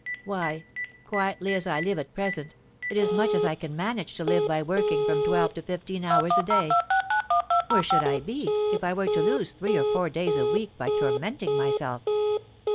Why, quietly as I live at present, it is much as I can manage to live by working from twelve to fifteen hours a day. Where should I be, if I were to lose three or four days a week by tormenting myself?